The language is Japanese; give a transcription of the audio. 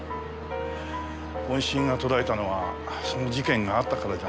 音信が途絶えたのはその事件があったからじゃないかな。